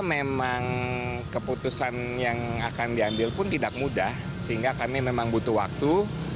memang keputusan yang akan diambil pun tidak mudah sehingga kami memang butuh waktu